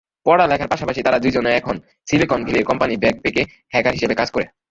পড়ালেখার পাশাপাশি তারা দুজনই এখন সিলিকনভ্যালীর কোম্পানি ব্যাকপেকে হ্যাকার হিসেবে কাজ করছে।